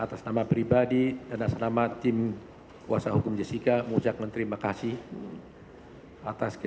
tadi saudara sudah mengatakan